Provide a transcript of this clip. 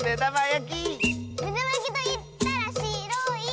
「めだまやきといったらしろい！」